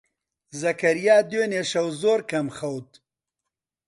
زەکەریا دوێنێ شەو زۆر کەم خەوت.